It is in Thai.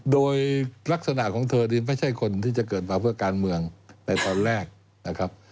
โดยลักษณะของเธอนี่ไม่ใช่คนที่จะเกิดมาเพื่อการเมืองในตอนแรกนะครับ